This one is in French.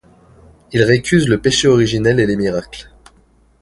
Il récuse le péché originel et les miracles.